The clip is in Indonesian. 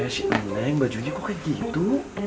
eh si neng bajunya kok kayak gitu